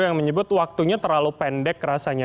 yang menyebut waktunya terlalu pendek rasanya